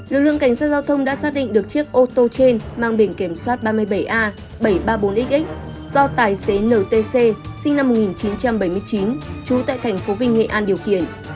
lực lượng cảnh sát giao thông đã xác định được chiếc ô tô trên mang bền kiểm soát ba mươi bảy a bảy trăm ba mươi bốn xx do tài xế ntc sinh năm một nghìn chín trăm bảy mươi chín trú tại thành phố vinh hệ an điều khiển